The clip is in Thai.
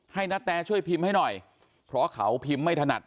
นาแตช่วยพิมพ์ให้หน่อยเพราะเขาพิมพ์ไม่ถนัด